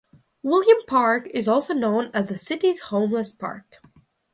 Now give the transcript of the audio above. Williams Park is also known as the city's homeless park.